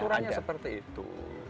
ya aturannya seperti itu